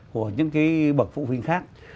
của những cái bậc phụ huynh khác